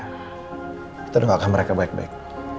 kita dengarkan mereka baik baik